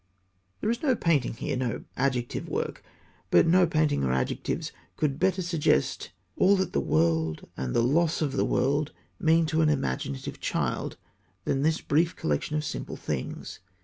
_ There is no painting here, no adjective work. But no painting or adjectives could better suggest all that the world and the loss of the world mean to an imaginative child than this brief collection of simple things.